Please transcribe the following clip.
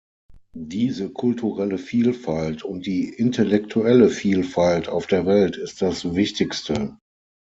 Diese kulturelle Vielfalt und die intellektuelle Vielfalt auf der Welt ist das Wichtigste.